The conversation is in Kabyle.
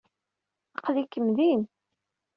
Aql-ikem din!